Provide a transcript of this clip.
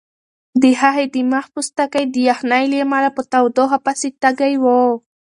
د هغې د مخ پوستکی د یخنۍ له امله په تودوخه پسې تږی و.